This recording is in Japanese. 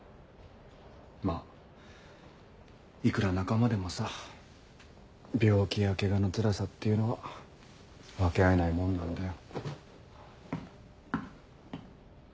まぁいくら仲間でもさ病気やケガのつらさっていうのは分け合えないもんなんだよ。